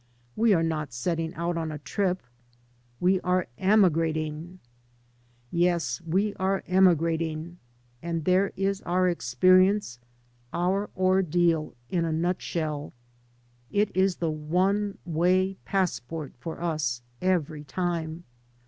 We are not setting out on a trip; we are emigrating. Yes, we are emigrating, and there is our experience, our ordeal, in a nutshell. It is the one way passport for us every time.